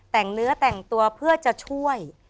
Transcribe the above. แต่งเนื้อแต่งตัวเพื่อจะช่วย